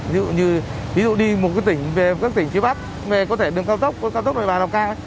ví dụ như ví dụ đi một cái tỉnh về các tỉnh phía bắc về có thể đường cao tốc có thể đường cao tốc về bà đào cang